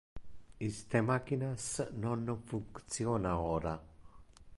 Iste machinas non functiona ora.